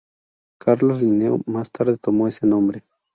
Carlos Linneo más tarde tomó ese nombre.